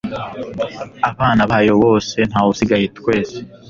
abana ba yo bose ntawe usigaye, twese